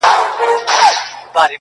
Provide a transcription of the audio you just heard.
وي لكه ستوري هره شــپـه را روان,